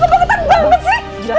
gak banget gak banget sih